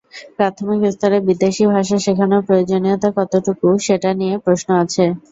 প্রাথমিক স্তরে বিদেশি ভাষা শেখানোর প্রয়োজনীয়তা কতটুকু, সেটা নিয়েও প্রশ্ন আছে।